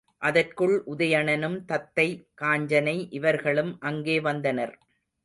அதற்குள் உதயணனும் தத்தை, காஞ்சனை இவர்களும் அங்கே வந்தனர்.